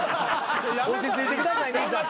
落ち着いてください兄さん。